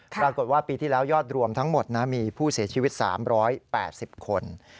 ปรากฏว่าปีที่แล้วยอดรวมทั้งหมดมีผู้เสียชีวิต๓๘๐คน